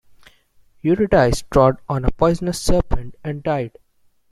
Eurydice trod on a poisonous serpent and died.